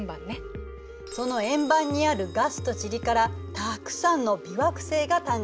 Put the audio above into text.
その円盤にあるガスと塵からたくさんの微惑星が誕生。